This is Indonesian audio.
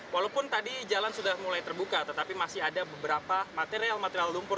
walaupun tadi jalan sudah mulai terbuka tetapi masih ada beberapa material material lumpur